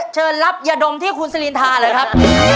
เชิญรับยาดมที่คุณสลินทาเลยครับ